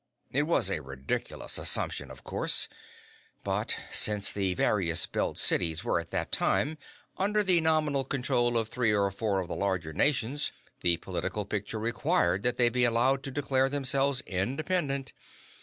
It was a ridiculous assumption, of course, but since the various Belt cities were, at that time, under the nominal control of three or four of the larger nations, the political picture required that they be allowed to declare themselves independent.